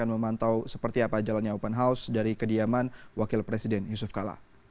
kita akan memantau seperti apa jalannya open house dari kediaman wakil presiden yusuf kalla